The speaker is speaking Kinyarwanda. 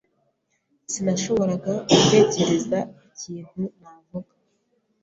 Sinashoboraga gutekereza ikintu navuga.